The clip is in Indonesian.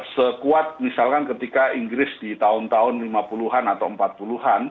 sekuat misalkan ketika inggris di tahun tahun lima puluh an atau empat puluh an